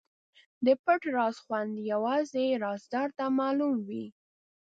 د پټ راز خوند یوازې رازدار ته معلوم وي.